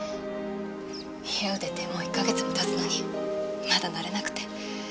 家を出てもう１か月も経つのにまだ慣れなくて。